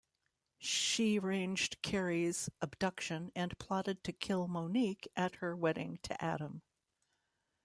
She arranged Carrie's abduction and plotted to kill Monique at her wedding to Adam.